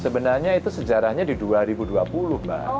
sebenarnya itu sejarahnya di dua ribu dua puluh mbak